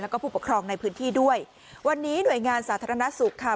แล้วก็ผู้ปกครองในพื้นที่ด้วยวันนี้หน่วยงานสาธารณสุขค่ะ